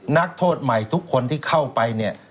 นักโทษใหม่ทุกคนที่เข้าไปเนี่ย